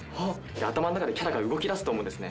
頭の中でキャラが動きだすと思うんですね。